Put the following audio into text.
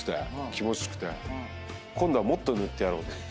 今度はもっと塗ってやろうと思って。